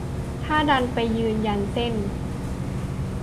ถ้าดันไปยืนยันเส้น